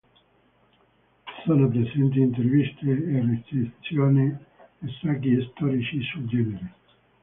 Sono presenti interviste e recensioni e saggi storici sul genere.